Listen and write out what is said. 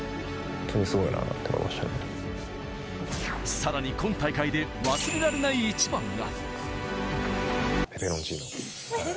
さらに今大会で忘れられないイチバンが。